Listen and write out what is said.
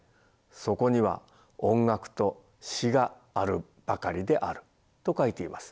そこには音楽と詩があるばかりである」と書いています。